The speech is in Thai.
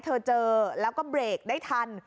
เจอแล้วก็เบรกได้ทัน